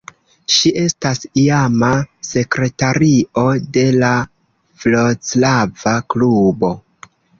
Ŝi estas iama sekretario de la Vroclava klubo.